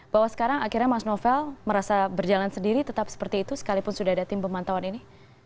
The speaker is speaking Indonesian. bahwa sekarang akhirnya mas novel merasa berjalan sendiri tetap seperti itu sekalipun sudah ada tim pemantauan ini